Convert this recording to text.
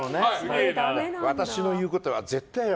私の言うことは絶対よ。